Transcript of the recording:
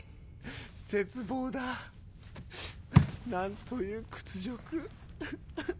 絶望だ何という屈辱。